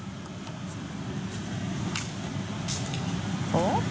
おっ？